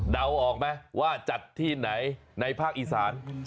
ออกไหมว่าจัดที่ไหนในภาคอีสาน